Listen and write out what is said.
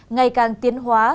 ngày càng tiến hóa